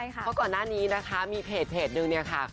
เพราะก่อนหน้านี้นะคะมีเพจนึงเนี่ยค่ะ